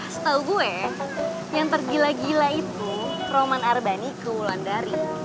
setau gue yang tergila gila itu roman ardhani ke ulandari